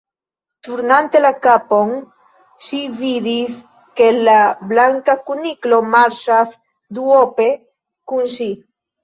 Turnante la kapon, ŝi vidis ke la Blanka Kuniklo marŝas duope kun ŝi.